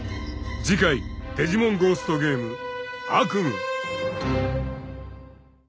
［次回『デジモンゴーストゲーム』］